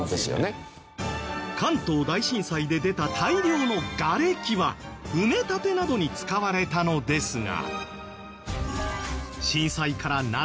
関東大震災で出た大量のガレキは埋め立てなどに使われたのですが。